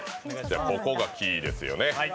ここがキーですよね。